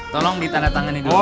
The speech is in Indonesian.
tolong ditandatanganin dulu